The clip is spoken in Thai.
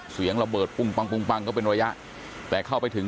เสียงระเบิดปุ้งปังปุ้งปังก็เป็นระยะแต่เข้าไปถึง